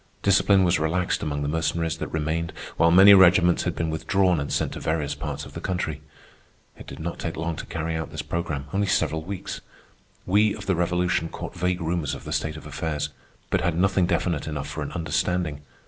Discipline was relaxed among the Mercenaries that remained, while many regiments had been withdrawn and sent to various parts of the country. It did not take long to carry out this programme—only several weeks. We of the Revolution caught vague rumors of the state of affairs, but had nothing definite enough for an understanding.